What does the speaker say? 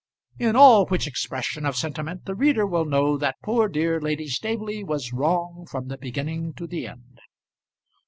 In all which expression of sentiment the reader will know that poor dear Lady Staveley was wrong from the beginning to the end.